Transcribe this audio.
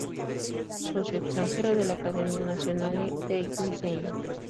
Socio extranjero de la Academia Nazionale dei Lincei.